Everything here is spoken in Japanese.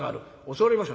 教わりました？